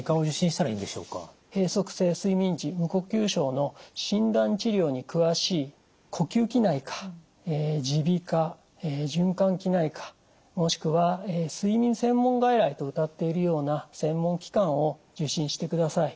閉塞性睡眠時無呼吸症の診断治療に詳しい呼吸器内科耳鼻科循環器内科もしくは睡眠専門外来とうたっているような専門機関を受診してください。